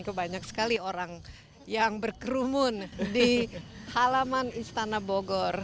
kebanyak sekali orang yang berkerumun di halaman istana bogor